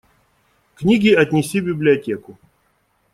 Книги отнеси в библиотеку.